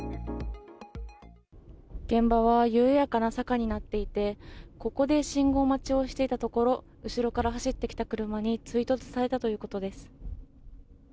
現場は緩やかな坂になっていて、ここで信号待ちをしていたところ、後ろから走ってきた車に追突されたということです。